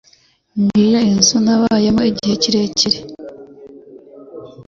Ngiyo inzu nabayemo igihe kirekire